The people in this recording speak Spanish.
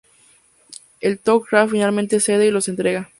El Tok'ra finalmente cede y los entrega.